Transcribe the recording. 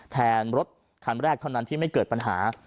รถคันแรกเท่านั้นที่ไม่เกิดปัญหา